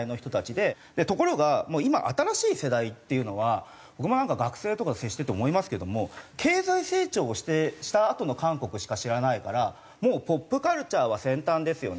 ところが今新しい世代っていうのは僕もなんか学生とかと接してて思いますけども経済成長をしたあとの韓国しか知らないからもうポップカルチャーは先端ですよね